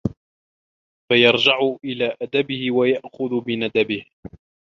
فَيَرْجِعُ إلَى أَدَبِهِ وَيَأْخُذُ بِنَدْبِهِ